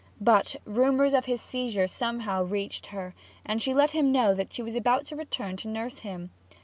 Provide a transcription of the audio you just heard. But rumours of his seizure somehow reached her, and she let him know that she was about to return to nurse him.